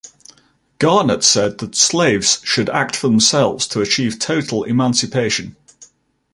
Garnet said that slaves should act for themselves to achieve total emancipation.